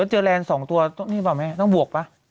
๕๖๐เจอรแรนส์สองตัวเป็นไงต้องบวกป่ะ